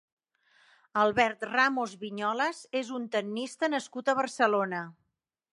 Albert Ramos Viñolas és un tennista nascut a Barcelona.